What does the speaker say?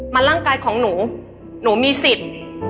มันร่างกายของหนูหนูมีสิทธิ์